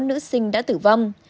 nữ sinh đã tử vong